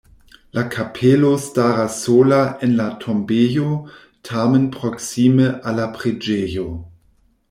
La kapelo staras sola en la tombejo, tamen proksime al la preĝejo.